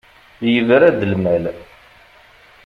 Yebra-d lmal.